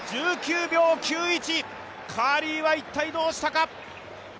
１９秒９１、カーリーは一体どうしたか。